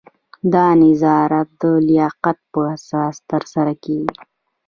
دا نظارت د لیاقت په اساس ترسره کیږي.